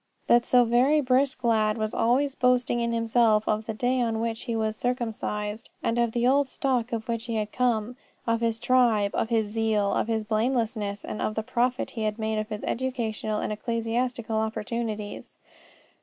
That so very brisk lad was always boasting in himself of the day on which he was circumcised, and of the old stock of which he had come; of his tribe, of his zeal, of his blamelessness, and of the profit he had made of his educational and ecclesiastical opportunities.